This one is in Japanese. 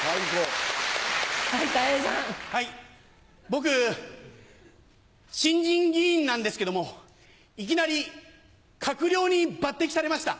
僕新人議員なんですけどもいきなり閣僚に抜擢されました。